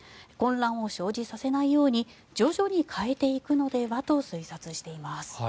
混乱を生じさせないように徐々に変えていくのではと推察しています。